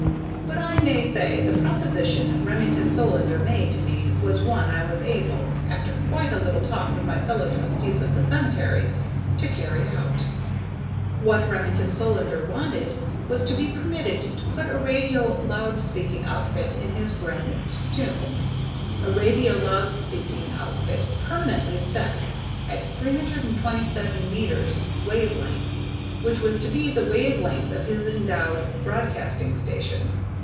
But, I may say, the proposition Remington Solander made to me was one I was able, after quite a little talk with my fellow trustees of the cemetery, to carry out. What Remington Solander wanted was to be permitted to put a radio loud speaking outfit in his granite tomb a radio loud speaking outfit permanently set at 327 meters wave length, which was to be the wave length of his endowed broadcasting station.